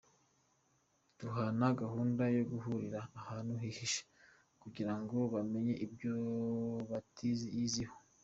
Duhana gahunda yo guhurira ahantu hihishe, kugira ngo bamenye ibyo batiyiziho.